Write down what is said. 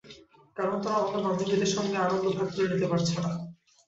কারণ, তারা অন্য বান্ধবীদের সঙ্গে আনন্দ ভাগ করে নিতে পারছে না।